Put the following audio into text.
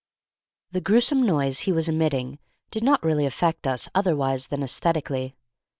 The gruesome noise he was emitting did not really affect us otherwise than aesthetically.